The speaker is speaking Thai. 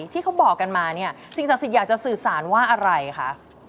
ที่เขาบอกกันมาเนี่ยสิ่งศักดิ์สิทธิ์อยากจะสื่อสารว่าอะไรคะ